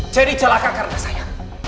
jadi celaka karena saya